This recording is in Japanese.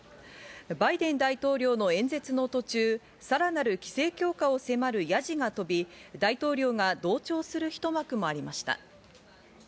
バイデン大統領の演説の途中、さらなる規制強化を迫る野次が飛び、大統領が同調するひと幕もありました。